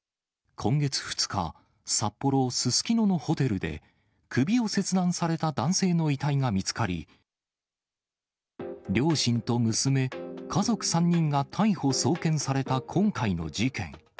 今月２日、札幌・すすきののホテルで、首を切断された男性の遺体が見つかり、両親と娘、家族３人が逮捕・送検された今回の事件。